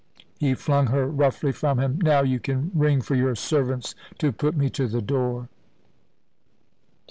ha flung her roughly from him; "now you can ring for your servants, to put me to the door."